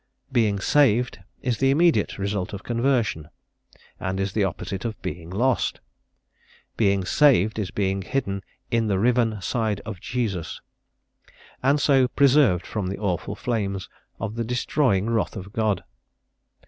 "Being saved" is the immediate result of conversion, and is the opposite of "being lost." "Being saved" is being hidden "in the riven side of Jesus," and so preserved from the awful flames of the destroying wrath of God.